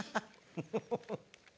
フフフフッ。